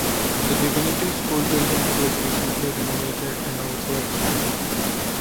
The Divinity School building was recently renovated and also expanded.